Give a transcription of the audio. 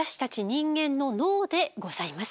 人間の脳でございます。